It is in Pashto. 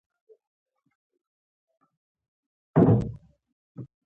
موټر یې ورو کړ او یوه بل سړک ته واوښت.